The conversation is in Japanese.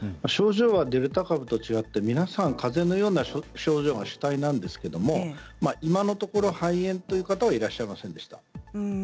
症状がデルタ株と違って皆さんかぜのような症状が主体なんですけれども今のところ肺炎という方はいらっしゃいませんでした。